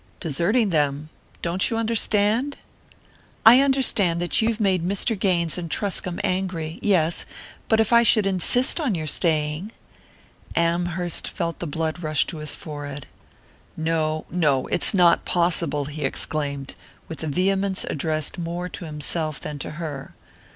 "Deserting them? Don't you understand ?" "I understand that you've made Mr. Gaines and Truscomb angry yes; but if I should insist on your staying " Amherst felt the blood rush to his forehead. "No no, it's not possible!" he exclaimed, with a vehemence addressed more to himself than to her.